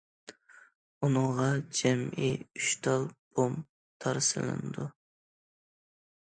ئۇنىڭغا جەمئىي ئۈچ تال بوم تار سېلىنىدۇ.